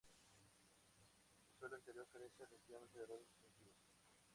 El suelo interior carece relativamente de rasgos distintivos.